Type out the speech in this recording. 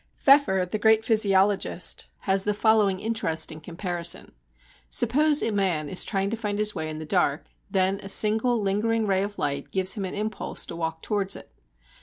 Pfeffer, the great physiologist, has the following interesting comparison. Suppose a man is trying to find his way in the dark, then a single lingering ray of light gives him an impulse to walk towards it.